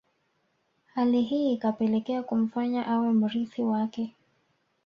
Hali hii ikapelekea kumfanya awe mrithi wake